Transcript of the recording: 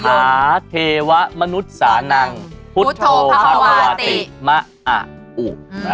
สัทธาเทวะมนุษย์สานางภุตโภพระบาทิมะหะอู่